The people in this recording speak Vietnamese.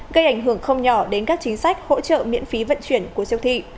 gây ảnh hưởng không nhỏ đến các chính sách hỗ trợ miễn phí vận chuyển của siêu thị